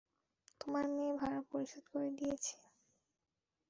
তোমার মেয়ে ভাড়া পরিশোধ করে দিয়েছে।